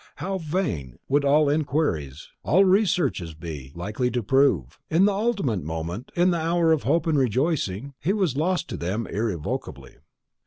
how vain would all inquiries, all researches be likely to prove! At the ultimate moment, in the hour of hope and rejoicing, she was lost to them irrevocably.